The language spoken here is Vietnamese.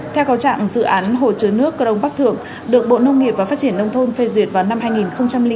theo cầu trạng dự án hồ chứa nước cơ đông bắc thượng được bộ nông nghiệp và phát triển nông thôn phê duyệt vào năm hai nghìn chín